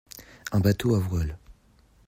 Un bateau à voile.